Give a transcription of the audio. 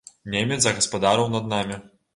Немец загаспадарыў над намі.